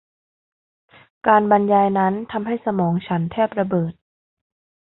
การบรรยายนั้นทำให้สมองฉันแทบระเบิด